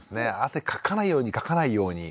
汗かかないようにかかないように。